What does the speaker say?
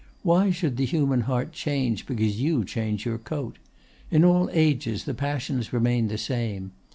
Why should the human heart change because you change your coat? In all ages the passions remain the same.